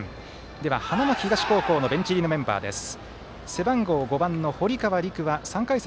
では、花巻東高校のベンチ入りのメンバーです。